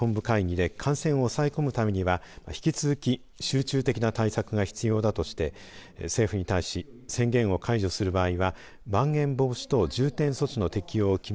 大阪府は感染を抑え込むためには、引き続き集中的な対策が必要だとして政府に対し、今月２０日が期限の緊急事態宣言を解除する場合はまん延防止等重点措置の適用を求めることを決めました。